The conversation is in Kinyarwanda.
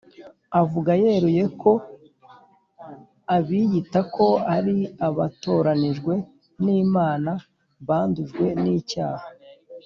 avuga yeruye ko abiyita ko ari abatoranijwe n’Imana bandujwe n’icyaha